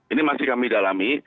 ini masih kami dalami